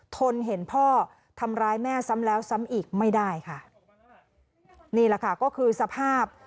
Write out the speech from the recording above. ทนเห็นพ่อทำร้ายแม่ซ้ำแล้วซ้ำอีกไม่ได้ค่ะนี่แหละค่ะก็คือสภาพ